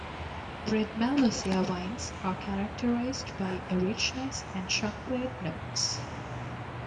Red Malvasia wines are characterized by a richness and chocolate notes.